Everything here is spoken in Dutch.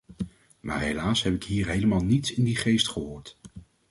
Maar helaas heb ik hier helemaal niets in die geest gehoord.